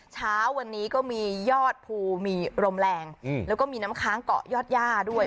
เช้าวันนี้ก็มียอดภูมีลมแรงแล้วก็มีน้ำค้างเกาะยอดย่าด้วย